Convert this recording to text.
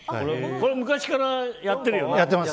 これ、昔からやってるよね。